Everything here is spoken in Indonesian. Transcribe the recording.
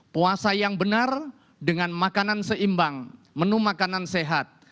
puasa yang benar dengan makanan seimbang menu makanan sehat